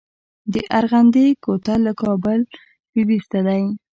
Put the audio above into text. د ارغندې کوتل کابل لویدیځ ته دی